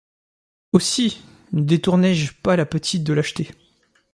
Aussi, ne détourné-je pas la petite de l’acheter!